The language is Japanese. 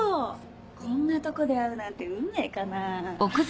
こんなとこで会うなんて運命かな。